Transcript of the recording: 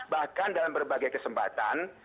bahkan dalam berbagai kesempatan